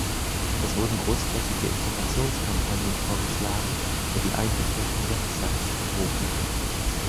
Es wurden großflächige Informationskampagnen vorgeschlagen und die Einrichtung von Websites erwogen.